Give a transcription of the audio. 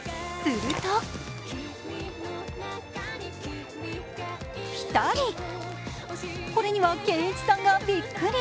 するとぴたり、これには憲一さんがびっくり。